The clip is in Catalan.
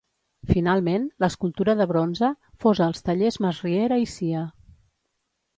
Finalment, l'escultura de bronze, fosa als tallers Masriera i Cia.